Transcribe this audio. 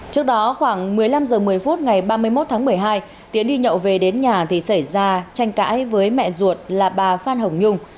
trước đó khoảng một mươi năm h một mươi phút ngày ba mươi một tháng một mươi hai tiến đi nhậu về đến nhà thì xảy ra tranh cãi với mẹ ruột là bà phan hồng nhung